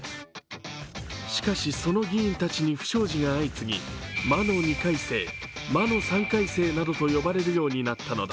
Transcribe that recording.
しかし、その議員たちに不祥事が相次ぎ、魔の２回生、魔の３回生などと呼ばれるようになったのだ。